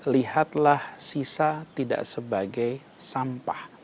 lihatlah sisa tidak sebagai sampah